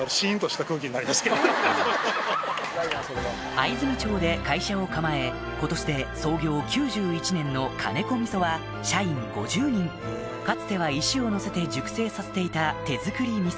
藍住町で会社を構え今年で創業９１年のかねこみそは社員５０人かつては石をのせて熟成させていた手作り味噌